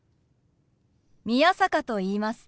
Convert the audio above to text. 宮坂と言います。